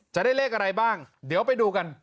จะได้เลขอะไรบ้างเดี๋ยวไปดูกัน